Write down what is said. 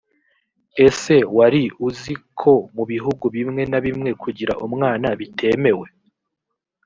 ese wari uzi ko mu bihugu bimwe na bimwe kugira umwana bitemewe?